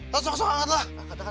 tuh sok sok angkatlah